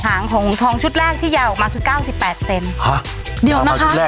หางของทองชุดแรกที่ยาวออกมาคือเก้าสิบแปดเซนฮะเดี๋ยวนะคะแรก